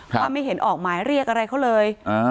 ว่าไม่เห็นออกหมายเรียกอะไรเขาเลย